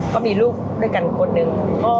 ก็มีลูกด้วยกันคนหนึ่ง